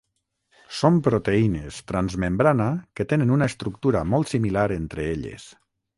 Són proteïnes transmembrana que tenen una estructura molt similar entre elles.